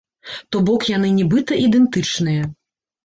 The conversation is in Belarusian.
То бок яны нібыта ідэнтычныя.